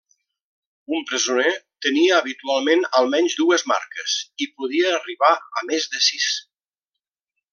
Un presoner tenia habitualment almenys dues marques, i podien arribar a més de sis.